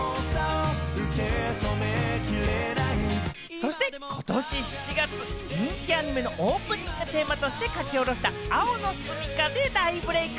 そしてことし７月、人気アニメのオープニングテーマとして書き下ろした『青のすみか』で大ブレーク。